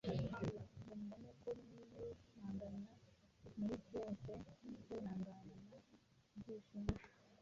ngo mubone uko mwiyumanganya muri byose mukihanganana ibyishimo.